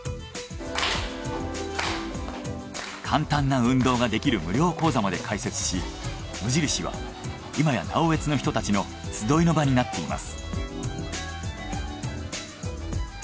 簡単な運動ができる無料講座まで開設し無印は今や直江津の人たちの集いの場になっています。